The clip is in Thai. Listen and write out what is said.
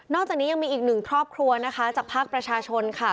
จากนี้ยังมีอีกหนึ่งครอบครัวนะคะจากภาคประชาชนค่ะ